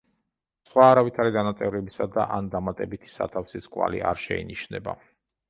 სხვა არავითარი დანაწევრებისა ან დამატებითი სათავსის კვალი არ შეინიშნება.